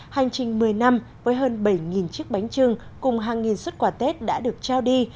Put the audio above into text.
hành trình một mươi năm với hơn bảy chiếc bánh trưng cùng hàng nghìn xuất quà tết đã được trao đi